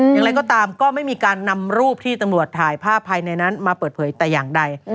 อย่างไรก็ตามก็ไม่มีการนำรูปที่ตำรวจถ่ายภาพภายในนั้นมาเปิดเผยแต่อย่างใด